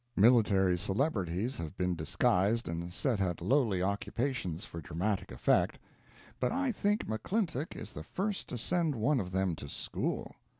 Military celebrities have been disguised and set at lowly occupations for dramatic effect, but I think McClintock is the first to send one of them to school.